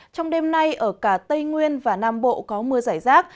trong đêm nay ở cả tây nguyên và nam bộ có mưa giải rác